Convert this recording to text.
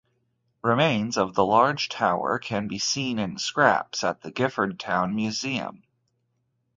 Remains of the large tower can be seen in scraps at the Giffordtown Museum.